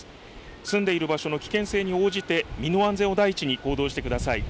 住んでいる場所の危険性に応じて、身の安全を第一に行動してください。